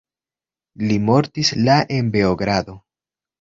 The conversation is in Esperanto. Li mortis la en Beogrado.